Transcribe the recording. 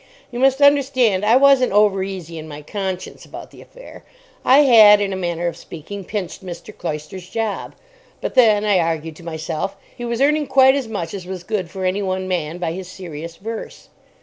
You must understand I wasn't over easy in my conscience about the affair. I had, in a manner of speaking, pinched Mr. Cloyster's job. But then, I argued to myself, he was earning quite as much as was good for any one man by his serious verse.